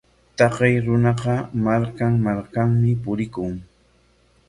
Taqay runaqa markan markanmi purikun.